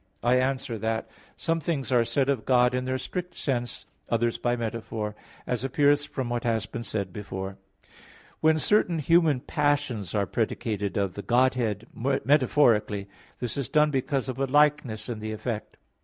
I answer that, Some things are said of God in their strict sense; others by metaphor, as appears from what has been said before (Q. 13, A. 3). When certain human passions are predicated of the Godhead metaphorically, this is done because of a likeness in the effect.